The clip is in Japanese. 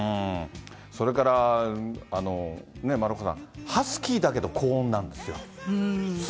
それから丸岡さん、ハスキーだけど高音なんですよ。